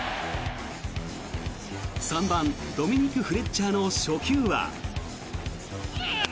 ３番、ドミニク・フレッチャーの初球は。